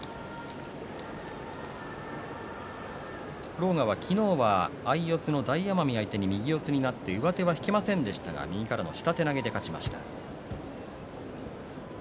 狼雅は昨日は相四つの大奄美相手に、右四つになって上手は引けませんでしたが右からの下手投げで勝ちました。